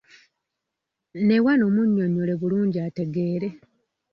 Ne wano munnyonnyole bulungi ategeere.